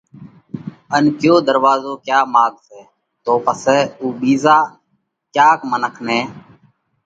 ان ڪيو ڌروازو ڪيا ماڳ سئہ تو پسئہ اُو ٻِيزا ڪياڪ منک نئہ